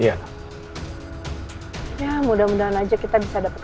ya mudah mudahan aja kita bisa dapat